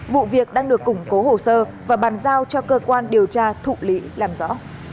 vụ việc đang được củng cố hồ sơ và bàn giao cho cơ quan điều tra thụ lý làm rõ